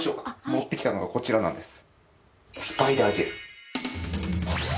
持ってきたのがこちらなんです。